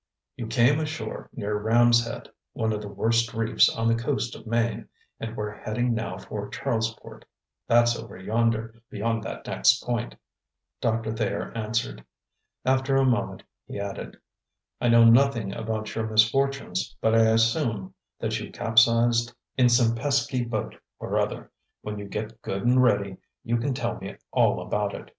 "You came ashore near Ram's Head, one of the worst reefs on the coast of Maine; and we're heading now for Charlesport; that's over yonder, beyond that next point," Doctor Thayer answered. After a moment he added: "I know nothing about your misfortunes, but I assume that you capsized in some pesky boat or other. When you get good and ready, you can tell me all about it.